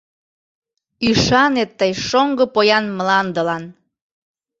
Ӱшане тый шоҥго поян мландылан.